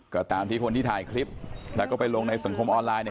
ก็ตามที่คนที่ถ่ายคลิปแล้วก็ไปลงในสังคมออนไลน์เนี่ย